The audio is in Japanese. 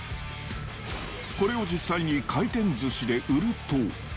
これを実際に回転寿司で売ると。